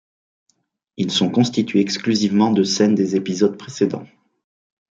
Ils sont constitués exclusivement de scènes des épisodes précédents.